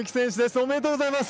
おめでとうございます。